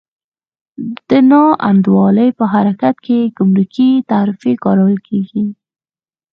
د نا انډولۍ په حالت کې ګمرکي تعرفې کارول کېږي.